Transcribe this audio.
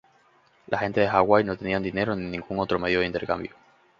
La gente de Hawaii no tenían dinero ni ningún otro medio de intercambio.